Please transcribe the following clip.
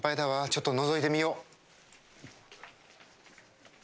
ちょっとのぞいてみよう。